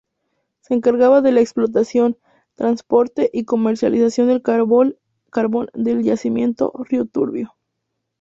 Se encargaba de la explotación, transporte y comercialización del carbón del Yacimiento Río Turbio.